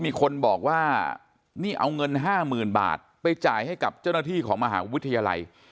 มีคนบอกว่านี่เอาเงิน๕๐๐๐บาทไปจ่ายให้กับเจ้าหน้าที่ของมหาวิทยาลัย